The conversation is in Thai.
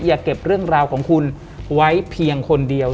อย่าเก็บเรื่องราวของคุณไว้เพียงคนเดียว